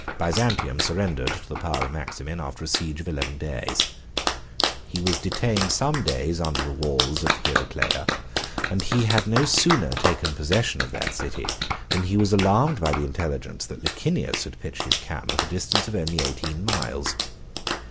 Byzantium surrendered to the power of Maximin, after a siege of eleven days. He was detained some days under the walls of Heraclea; and he had no sooner taken possession of that city than he was alarmed by the intelligence that Licinius had pitched his camp at the distance of only eighteen miles.